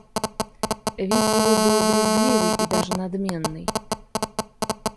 Вид его был брезгливый и даже надменный.